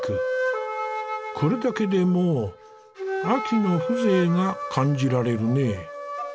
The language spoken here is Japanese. これだけでもう秋の風情が感じられるね。